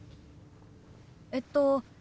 えっと。